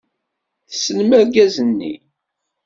Tessnem argaz-nni?